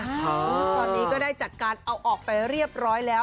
ตอนนี้ก็ได้จัดการเอาออกไปเรียบร้อยแล้ว